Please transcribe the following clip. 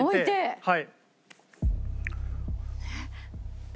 はい。